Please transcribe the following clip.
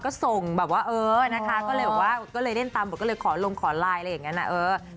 ก็เจอน้องค่ะเจอแชมป์มาตั้งแต่ก่อนหน้านี้แล้ว